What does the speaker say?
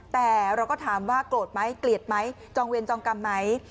แต่เราก็ถามว่าโกรธไหมเกลียดไหมจองเวรจองกรรมไหม